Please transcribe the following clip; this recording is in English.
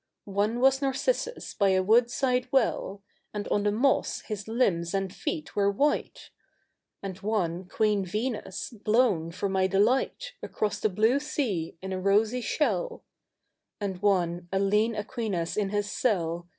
One was Narcissus by a woodside well. And on the moss his limbs and feet were white ; And one. Queen Venus, blown for my delight Across the blue sea in a rosy shell ; And one, a lean Aquinas in his cell.